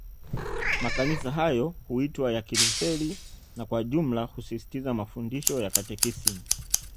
Makanisa hayo huitwa ya Kilutheri na Kwa jumla husisitiza mafundisho ya Katekisimu